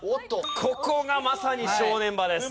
ここがまさに正念場です。